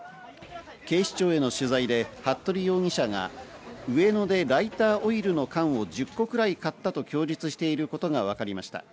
警視庁への取材で服部容疑者が上野でライターオイルの缶を１０個くらい買ったと供述していることがわかりました。